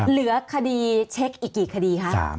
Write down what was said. เหลือคดีเช็คอีกกี่คดีคะ